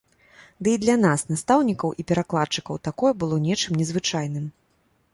Ды й для нас, настаўнікаў і перакладчыкаў, такое было нечым незвычайным.